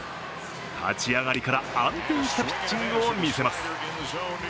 立ち上がりから安定したピッチングを見せます。